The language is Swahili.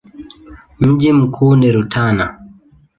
Mji mkuu ni Rutana.